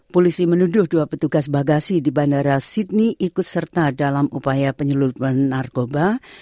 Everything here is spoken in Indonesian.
polisi menuduh dua petugas bagasi di bandara sydney ikut serta dalam upaya penyeludupan narkoba